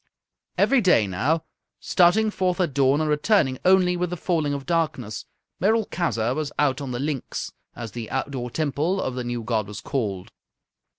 Every day now, starting forth at dawn and returning only with the falling of darkness, Merolchazzar was out on the Linx, as the outdoor temple of the new god was called.